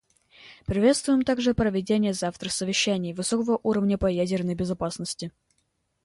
Приветствуем также проведение завтра Совещания высокого уровня по ядерной безопасности.